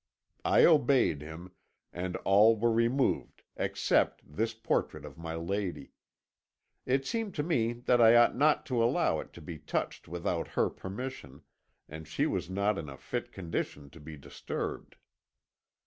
I obeyed him, and all were removed except this portrait of my lady; it seemed to me that I ought not to allow it to be touched without her permission, and she was not in a fit condition to be disturbed.